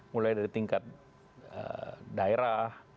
mulai dari tingkat daerah